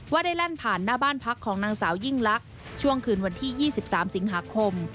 ได้แล่นผ่านหน้าบ้านพักของนางสาวยิ่งลักษณ์ช่วงคืนวันที่๒๓สิงหาคม